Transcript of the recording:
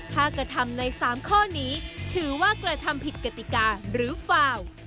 ถ้ากระทำใน๓ข้อนี้ถือว่ากระทำผิดกติกาหรือฟาว